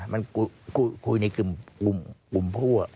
มันคุยในกลุ่มผู้